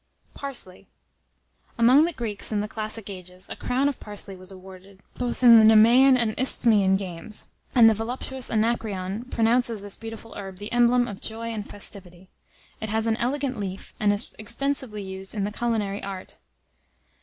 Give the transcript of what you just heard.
Parsley. Among the Greeks, in the classic ages, a crown of parsley was awarded, both in the Nemaean and Isthmian games, and the voluptuous Anacreon pronounces this beautiful herb the emblem of joy and festivity. It has an elegant leaf, and is extensively used in the culinary art.